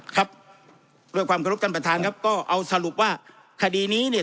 ครับด้วยความขอรบท่านประธานครับก็เอาสรุปว่าคดีนี้เนี่ย